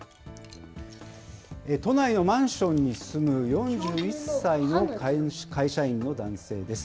都内のマンションに住む４１歳の会社員の男性です。